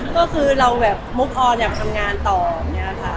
ก็คือเราแบบมุกออนอยากทำงานต่ออย่างนี้ค่ะ